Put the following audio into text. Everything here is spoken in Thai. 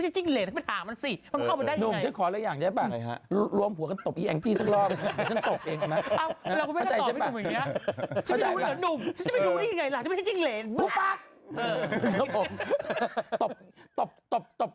ฉันไม่รู้นี่ไงล่ะฉันไม่ใช่จิ้งเหลนพูบปั๊ะเจ้าผมจบ